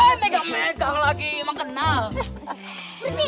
hei megang megang lagi emang kenal